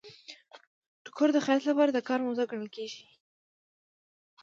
ټوکر د خیاط لپاره د کار موضوع ګڼل کیږي.